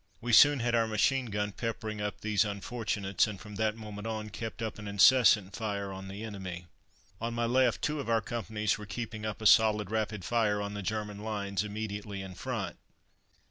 We soon had our machine gun peppering up these unfortunates, and from that moment on kept up an incessant fire on the enemy. On my left, two of our companies were keeping up a solid rapid fire on the German lines immediately in front.